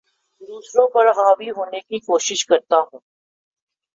دوسروں پر حاوی ہونے کی کوشش کرتا ہوں